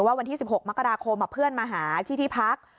วันที่๑๖มกราคมเพื่อนมาหาที่ที่พัก